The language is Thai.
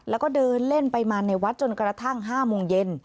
แล้วก็เดินเล่นไปมาในวัดจนกระทั่ง๕โมงเย็น